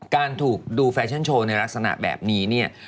การถูกดูแฟชั่นโชว์ในลักษณะแบบนี้เนี่ย